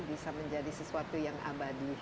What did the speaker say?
bisa menjadi sesuatu yang abadi